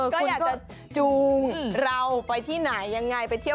ก็อยากจะจูงเราไปที่ไหนยังไง